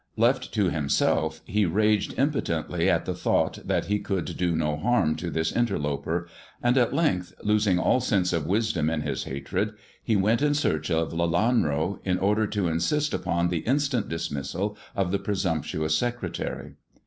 Left to himself, he raged impotently at the thought that he could do no harm to this interloper ; and at length, losing all sense of wisdom in his hatred, he went in search of Lelanro, in order to insist upon the instant dismissal of the presumptuous secretary.